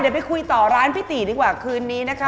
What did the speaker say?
เดี๋ยวไปคุยต่อร้านพี่ตีดีกว่าคืนนี้นะคะ